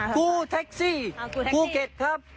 กู้แท็กซี่ภูเก็ตครับ